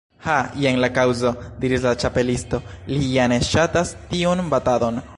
"Ha, jen la kaŭzo," diris la Ĉapelisto. "Li ja ne ŝatas tiun batadon.